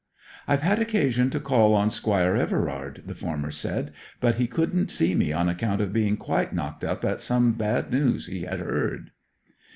'I've had occasion to call on Squire Everard,' the former said; 'but he couldn't see me on account of being quite knocked up at some bad news he has heard.'